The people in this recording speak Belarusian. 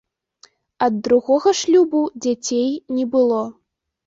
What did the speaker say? Ад другога шлюбу дзяцей не было.